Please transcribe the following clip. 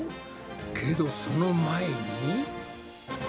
けどその前に。